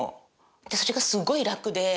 それがすごい楽で。